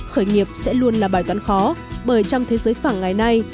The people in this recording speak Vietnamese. khởi nghiệp sẽ luôn là bài toán khó bởi trong thế giới phẳng ngày nay